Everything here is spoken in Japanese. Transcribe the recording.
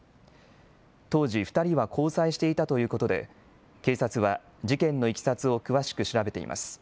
当時２人は交際していたということで警察は事件のいきさつを詳しく調べています。